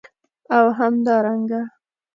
او همدارنګه